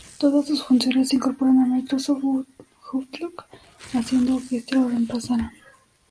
Todas sus funciones se incorporaron a Microsoft Outlook haciendo que este lo reemplazara.